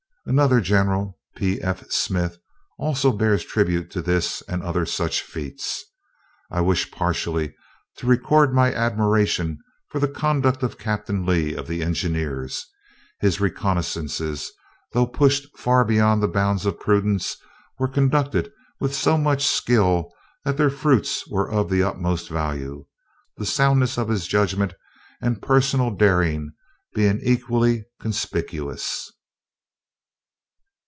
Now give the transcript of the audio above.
Another General, P. F. Smith, also bears tribute to this and other such feats: "I wish partially to record my admiration of the conduct of Captain Lee, of the Engineers. His reconnaissances, though pushed far beyond the bounds of prudence, were conducted with so much skill that their fruits were of the utmost value the soundness of his judgment and personal daring being equally conspicuous."